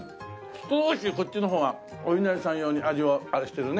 少しこっちの方がおいなりさん用に味をあれしてるね。